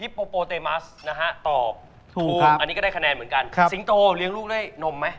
โปโปเตมัสนะฮะตอบถูกอันนี้ก็ได้คะแนนเหมือนกันสิงโตเลี้ยงลูกด้วยนมไหม